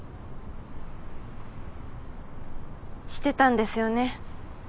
してたんですよね。